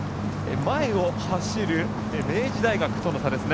前を走る明治大学との差